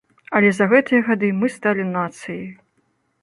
Але за гэтыя гады мы сталі нацыяй.